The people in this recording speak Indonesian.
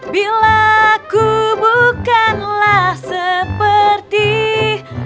bila aku bukanlah sepertimu